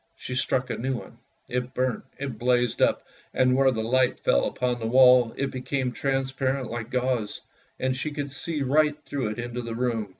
She struck a new one, it burnt, it blazed up, and where the light fell upon the wall, it became transparent like gauze, and she could see right through it into the room.